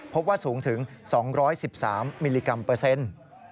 พบว่าสูงถึง๒๑๓มิลลิกรัมเปอร์เซ็นต์